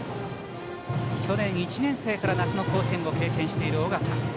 去年、１年生から夏の甲子園を経験している緒方。